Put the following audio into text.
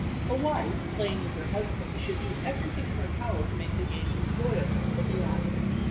A wife playing with her husband should do everything in her power to make the game enjoyable for the latter.